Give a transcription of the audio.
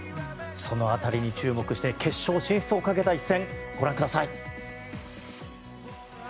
その辺りに注目して決勝進出をかけた一戦ご覧ください。